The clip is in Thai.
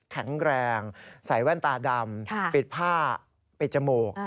แข็งแรงใส่แว่นตาดำปิดผ้าปิดจมูก